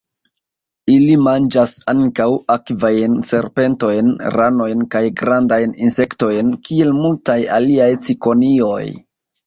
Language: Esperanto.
Ili manĝas ankaŭ akvajn serpentojn, ranojn kaj grandajn insektojn, kiel multaj aliaj cikonioj.